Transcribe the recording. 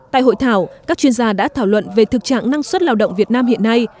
tại hội thảo các chuyên gia đã thảo luận về thực trạng năng suất lao động việt nam hiện nay